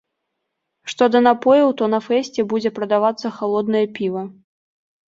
Што да напояў, то на фэсце будзе прадавацца халоднае піва.